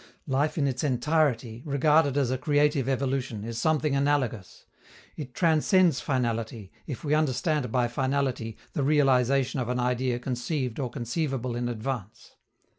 Life in its entirety, regarded as a creative evolution, is something analogous; it transcends finality, if we understand by finality the realization of an idea conceived or conceivable in advance.